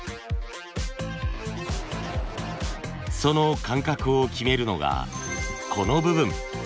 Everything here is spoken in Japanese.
その間隔を決めるのがこの部分。